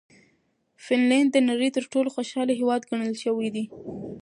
فنلنډ د نړۍ تر ټولو خوشحاله هېواد ګڼل شوی دی.